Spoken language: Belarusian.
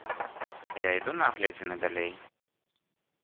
А я іду на агледзіны далей.